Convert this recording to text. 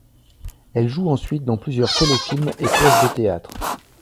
Elle joue ensuite dans plusieurs téléfilms et pièces de théâtre.